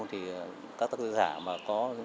thì các tác giả mà có